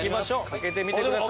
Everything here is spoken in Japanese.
かけてみてください。